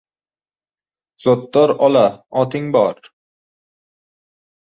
Zotdor ola oting bor